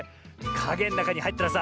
かげのなかにはいったらさ